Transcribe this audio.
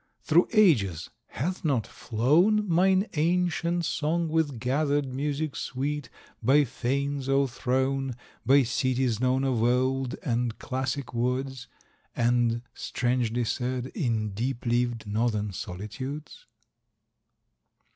Through ages hath not flown Mine ancient song with gathered music sweet— By fanes o'erthrown, By cities known of old, and classic woods, And, strangely sad, in deep leaved northern solitudes?"